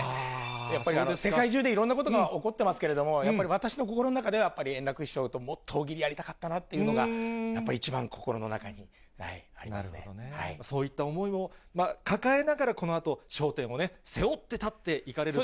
やっぱり世界中でいろんなことが起こってますけれども、やっぱり私の心の中では、やっぱり円楽師匠ともっと大喜利やりたかったなっていうのが、そういった思いも抱えながら、このあと笑点をね、背負って立っていかれると。